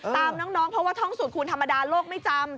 ตามน้องเพราะว่าท่องสูตรคูณธรรมดาโลกไม่จำ